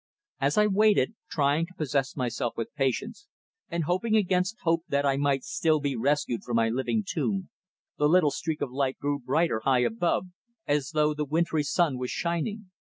As I waited, trying to possess myself with patience, and hoping against hope that I might still be rescued from my living tomb, the little streak of light grew brighter high above, as though the wintry sun was shining.